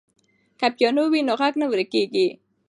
که پیانو وي نو غږ نه ورکېږي.